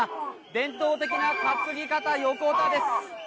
伝統的な担ぎ方、ヨコタです。